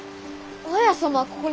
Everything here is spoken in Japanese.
綾様はここに！